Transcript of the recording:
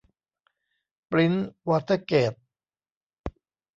ปรินซ์วอเตอร์เกท